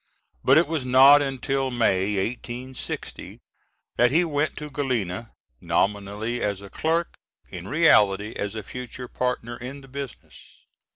But it was not until May, 1860, that he went to Galena, nominally as a clerk, in reality as a future partner in the business.